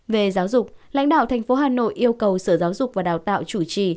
về giáo dục lãnh đạo tp hà nội yêu cầu sở giáo dục và đào tạo chủ trì